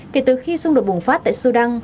kể từ khi xung đột bùng phát tại sudan